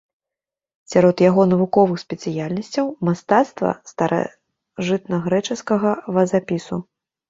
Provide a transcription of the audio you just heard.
Сярод яго навуковых спецыяльнасцяў мастацтва старажытнагрэчаскага вазапісу.